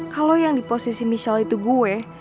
kalau yang di posisi michelle itu gue